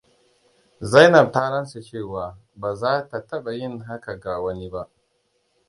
Zainab ta rantse cewa ba za ta taba yin haka ga wani ba.